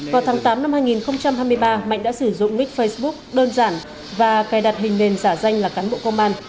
vào tháng tám năm hai nghìn hai mươi ba mạnh đã sử dụng nick facebook đơn giản và cài đặt hình nền giả danh là cán bộ công an